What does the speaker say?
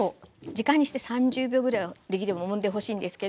時間にして３０秒ぐらいはできればもんでほしいんですけど。